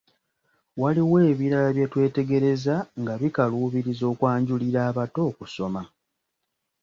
Waliwo ebirala bye twetegereza nga bikaluubiriza okwanjulira abato okusoma.